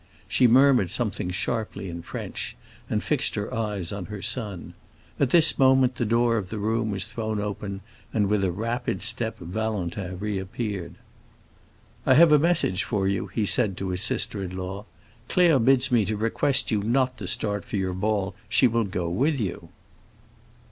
She murmured something sharply in French, and fixed her eyes on her son. At this moment the door of the room was thrown open, and with a rapid step Valentin reappeared. "I have a message for you," he said to his sister in law. "Claire bids me to request you not to start for your ball. She will go with you."